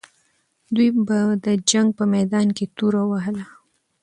دوی به د جنګ په میدان کې توره وهله.